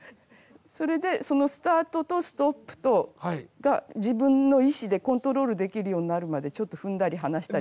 それでそのスタートとストップとが自分の意思でコントロールできるようになるまでちょっと踏んだり離したりして。